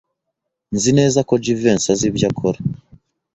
Nzi neza ko Jivency azi ibyo akora.